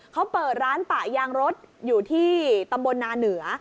เขาเปิดร้านปะยางรถอยู่ที่ตำบลนาเหนือ